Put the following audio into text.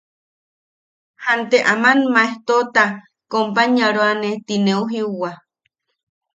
Jante aman maejtoota companyaroane ti neu jiuwa.